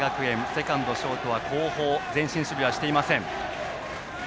セカンド、ショートは後方前進守備していません。